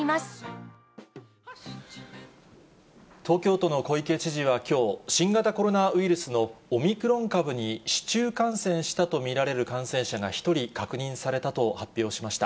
東京都の小池知事はきょう、新型コロナウイルスのオミクロン株に市中感染したと見られる感染者が１人確認されたと発表しました。